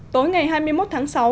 tối ngày hai mươi một tháng sáu